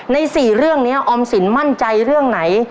ใน๔เรื่องนี้ออมสินมั่นใจเรื่องไหน